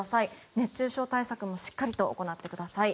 熱中症対策もしっかりと行ってください。